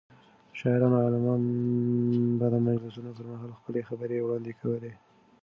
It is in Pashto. شاعران او علما به د مجلسونو پر مهال خپلې خبرې وړاندې کولې.